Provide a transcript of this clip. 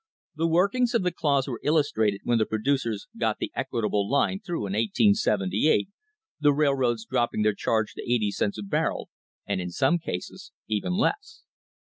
The workings of the clause were illustrated when the producers got the Equitable Line through in 1878, the rail roads dropping their charge to eighty cents a barrel, and in some cases even less.